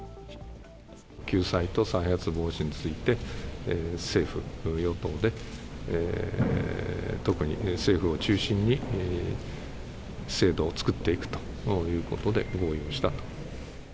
救済と再発防止について、政府・与党で、特に政府を中心に、制度を作っていくということで合意をした。